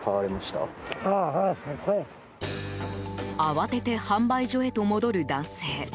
慌てて販売所へと戻る男性。